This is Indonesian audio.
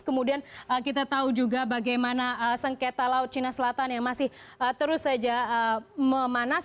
kemudian kita tahu juga bagaimana sengketa laut cina selatan yang masih terus saja memanas